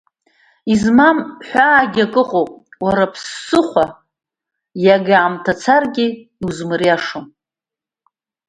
Измам ҳәагьы акы ыҟоуп, уара, ԥсыхәа, иага аамҭа царгьы иузмыриашо.